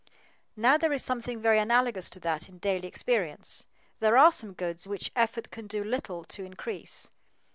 Now there is something very analogous to that in daily experience. There are some goods which effort can do little to, increase.